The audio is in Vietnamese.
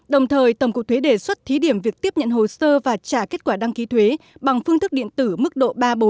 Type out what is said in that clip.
đồng thời tổng cục thuế đề xuất thí điểm việc tiếp nhận hồ sơ và trả kết quả đăng ký thuế bằng phương thức điện tử mức độ ba bốn